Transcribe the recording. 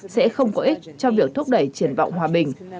sẽ không có ích cho việc thúc đẩy triển vọng hòa bình